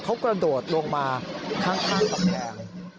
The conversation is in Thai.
เขากระโดดลงมาข้างกำแพง